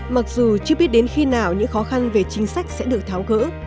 mặc dù chưa biết đến khi nào những khó khăn về chính sách sẽ được tháo gỡ